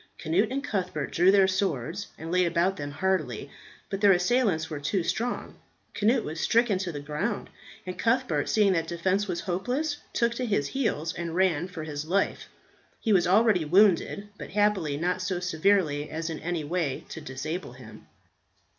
Cnut and Cuthbert drew their swords and laid about them heartily, but their assailants were too strong. Cnut was stricken to the ground, and Cuthbert, seeing that defence was hopeless, took to his heels and ran for his life. He was already wounded, but happily not so severely as in any way to disable him.